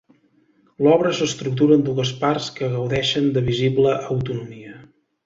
L'obra s'estructura en dues parts que gaudeixen de visible autonomia.